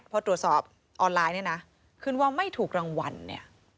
พอตรวจสอบออนไลน์เนี่ยนะขึ้นว่าไม่ถูกรางวัลเนี่ย